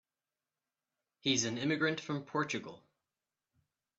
He's an immigrant from Portugal.